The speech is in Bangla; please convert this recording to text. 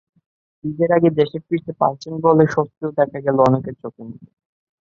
ঈদের আগে দেশে ফিরতে পারছেন বলে স্বস্তিও দেখা গেল অনেকের চোখে-মুখে।